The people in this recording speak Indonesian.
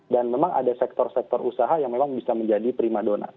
dan memang ada sektor sektor usaha yang memang bisa menjadi prima donat